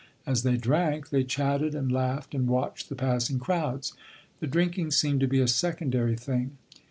As they drank, they chatted and laughed and watched the passing crowds; the drinking seemed to be a secondary thing.